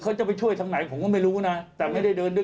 เขาจะไปช่วยทางไหนผมก็ไม่รู้นะแต่ไม่ได้เดินด้วย